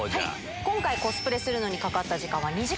今回、コスプレするのにかかった時間は、２時間。